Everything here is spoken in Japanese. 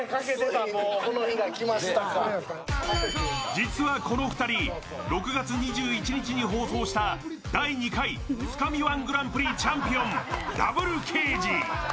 実はこの２人、６月２１日に放送した第２回「つかみ−１ＧＰ」チャンピオンＷ刑事。